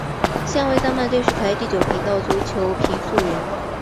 现为丹麦电视台第九频道足球评述员。